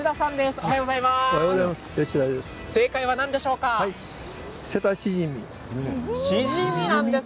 おはようございます。